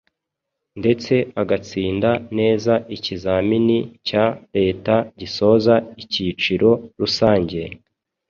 ndetse agatsinda neza ikizamini cya Leta gisoza Ikiciro Rusange,